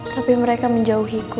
tapi mereka menjauhiku